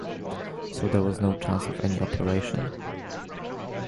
So there was no chance of any operation?